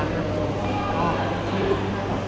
เดี๋ยวนิดนึง